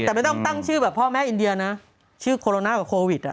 แต่ไม่ต้องตั้งชื่อแบบพ่อแม่อินเดียนะชื่อโคโรนากับโควิดอ่ะ